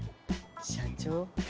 社長。